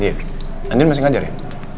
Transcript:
iya andin masih ngajarin